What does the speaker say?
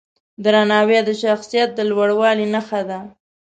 درناوی د شخصیت د لوړوالي نښه ده.